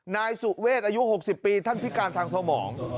นายสุเวชอายุ๖๐ปีท่านพิการทางสมอง